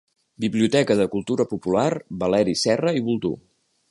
Biblioteca de Cultura Popular Valeri Serra i Boldú.